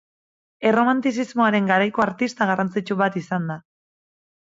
Erromantizismoaren garaiko artista garrantzitsu bat izan da.